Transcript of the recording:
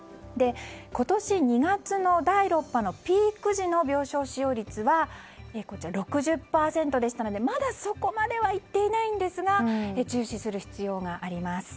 今年２月の第６波のピーク時の病床使用率は６０％でしたのでまだそこまではいっていないんですが注視する必要があります。